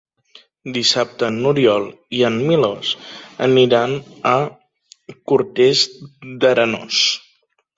Dissabte n'Oriol i en Milos aniran a Cortes d'Arenós.